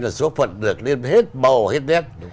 là số phận được lên hết bầu hết nét